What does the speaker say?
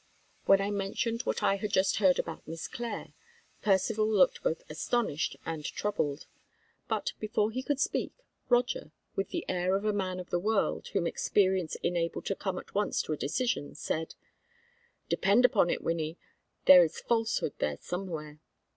When I mentioned what I had just heard about Miss Clare, Percivale looked both astonished and troubled; but before he could speak, Roger, with the air of a man of the world whom experience enabled to come at once to a decision, said, "Depend upon it, Wynnie, there is falsehood there somewhere.